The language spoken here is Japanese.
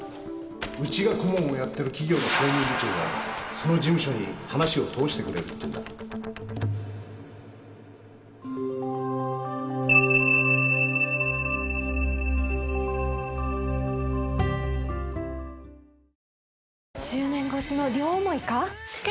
ウチが顧問をやってる企業の法務部長がその事務所に話を通してくれるって言うんだおや？